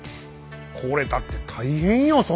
これだって大変よ